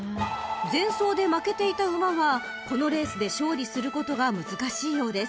［前走で負けていた馬はこのレースで勝利することが難しいようです］